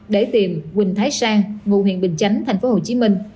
để tìm quỳnh thái sang ngụ huyện bình chánh tp hcm